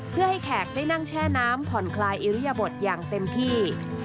เพื่อให้แขกได้นั่งแช่น้ำผ่อนคลายอิริยบทอย่างเต็มที่